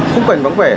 xung quanh vắng vẻ